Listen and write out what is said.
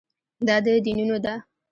دا د دینونو ده.